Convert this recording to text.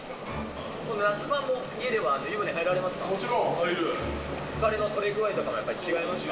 夏場も家では、湯船に入られますか？